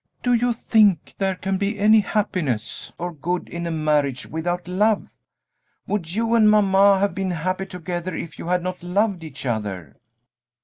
Do you think there can be any happiness or good in a marriage without love? Would you and mamma have been happy together if you had not loved each other?"